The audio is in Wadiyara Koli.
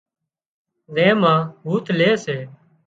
زين مان هُوٿ لي سي